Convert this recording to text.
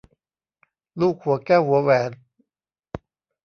ลูกหัวแก้วหัวแหวน